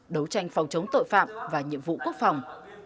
đấu tranh phòng chống tội phạm và nhiệm vụ quốc phòng